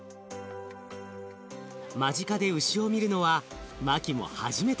間近で牛を見るのはマキも初めて。